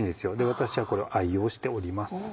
私はこれを愛用しております。